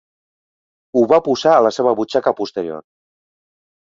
Ho va posar a la seva butxaca posterior.